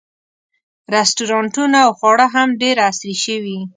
رسټورانټونه او خواړه هم ډېر عصري شوي.